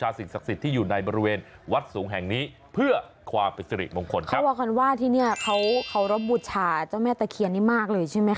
เจ้าแม่ตะเคียนนี่มากเลยใช่ไหมคะ